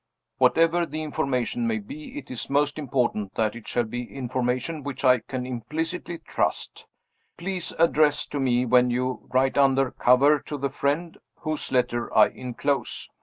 Whatever the information may be, it is most important that it shall be information which I can implicitly trust. Please address to me, when you write, under cover to the friend whose letter I inclose.